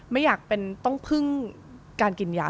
ไม่อยากเป็นต้องพึ่งการกินยา